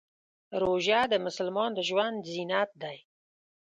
روژه د مسلمان د ژوند زینت دی.